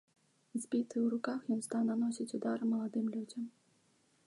З бітай у руках ён стаў наносіць удары маладым людзям.